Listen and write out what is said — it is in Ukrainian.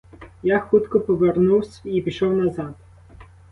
Я хутко повернувсь і пішов назад.